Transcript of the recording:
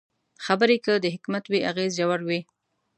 خبرې که د حکمت وي، اغېز ژور وي